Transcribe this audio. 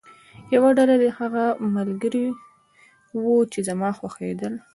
یوه ډله دې هغه ملګري وو چې زما خوښېدل.